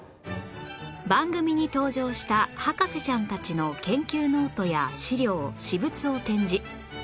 番組に登場した博士ちゃんたちの研究ノートや資料私物を展示